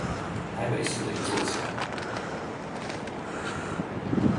台北市的一座橋